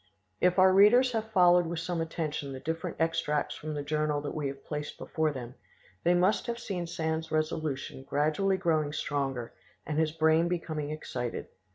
If our readers have followed with some attention the different extracts from the journal that we have placed before them, they must have seen Sand's resolution gradually growing stronger and his brain becoming excited.